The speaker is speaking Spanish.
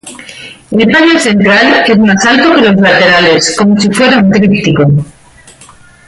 El paño central es más alto que los laterales, como si fuera un tríptico.